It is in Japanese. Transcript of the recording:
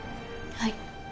はい。